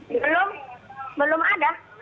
belum belum ada